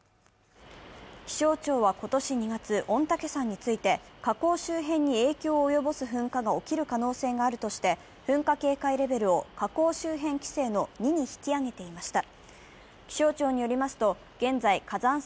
気象庁は今年２月、御嶽山について火口周辺に影響を及ぼす噴火が起きる可能性があるとして、噴火警戒レベルを火口周辺規制の２に引き上げていました。